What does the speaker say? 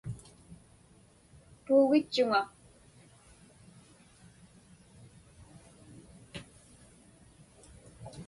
Puugitchuŋa.